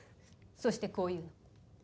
そして、こう言うの。